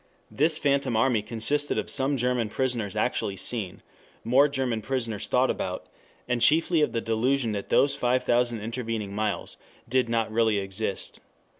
This phantom army consisted of some German prisoners actually seen, more German prisoners thought about, and chiefly of the delusion that those five thousand intervening miles did not really exist.